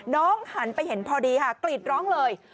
น้องหันไปเห็นพอดีค่ะกรีดร้องเลย